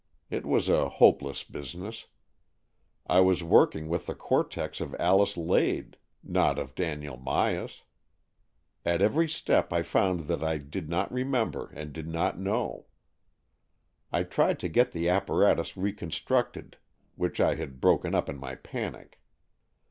It was a hopeless business. I was working with the cortex of Alice Lade, not AN EXCHANGE OF SOULS 16a of Daniel Myas. At every step I found that I did not remember and did not know. I tried to get the apparatus reconstructed, which I had broken up in my panic.